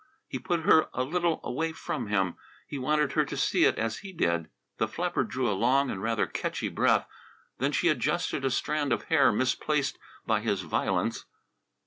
He put her a little way from him; he wanted her to see it as he did. The flapper drew a long and rather catchy breath, then she adjusted a strand of hair misplaced by his violence.